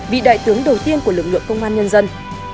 vị đại tướng đầu tiên của lực lượng công an nhân dân